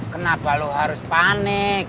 kenapa lu harus panik